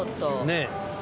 ねえ。